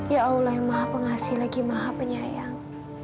ya allah yang maha pengasih lagi maha penyayang